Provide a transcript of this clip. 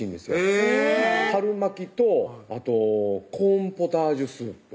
へぇ春巻きとあとコーンポタージュスープ